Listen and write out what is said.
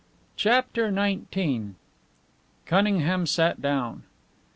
CHAPTER XIX Cunningham sat down.